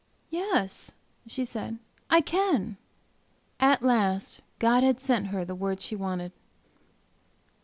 "Yes," she said, "I can." At last God had sent her the word she wanted.